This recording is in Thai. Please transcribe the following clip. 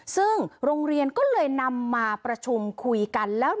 ซึ่งโรงเรียนก็เลยนำมาประชุมคุยกันแล้ว